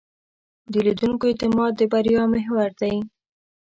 د لیدونکو اعتماد د بریا محور دی.